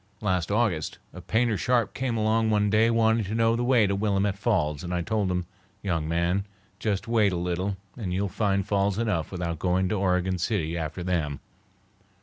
Last August a painter sharp came along one day wanting to know the way to Willamette Falls, and I told him: 'Young man, just wait a little and you'll find falls enough without going to Oregon City after them.